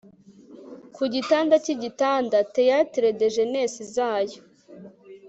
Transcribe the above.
ku gitanda cy'igitanda, theatre ya genes zayo